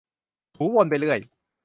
ถูวนไปเรื่อย